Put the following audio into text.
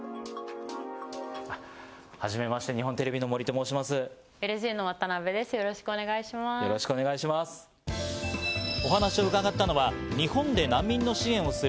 はじめまして、日本テレビの森と申します。